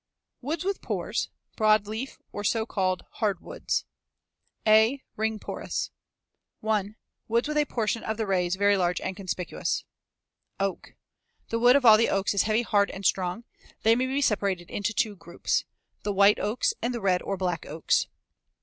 II. WOODS WITH PORES BROADLEAF, OR SO CALLED "HARDWOODS" A. Ring porous. 1. Woods with a portion of the rays very large and conspicuous. Oak. The wood of all of the oaks is heavy, hard, and strong. They may be separated into two groups. The white oaks and the red or black oaks.